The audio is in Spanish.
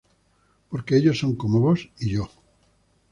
Porque ellos son como vos y yo.